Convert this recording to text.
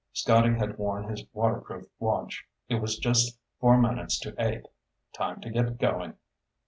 Scotty had worn his waterproof watch. It was just four minutes to eight. Time to get going.